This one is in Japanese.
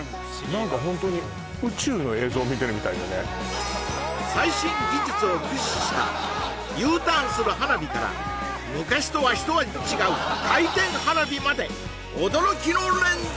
何かホントに最新技術を駆使したＵターンする花火から昔とはひと味違う回転花火まで驚きの連続！